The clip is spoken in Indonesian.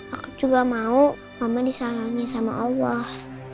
aku juga mau mama bisa nangis sama allah